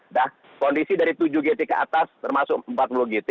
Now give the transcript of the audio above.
nah kondisi dari tujuh gt ke atas termasuk empat puluh gt